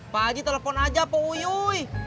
pak aji telepon aja pak uyuy